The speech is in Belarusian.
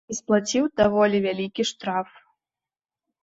І сплаціў даволі вялікі штраф.